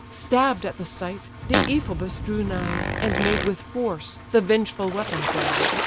Stabb'd at the sight, Deiphobus drew nigh, And made, with force, the vengeful weapon fly.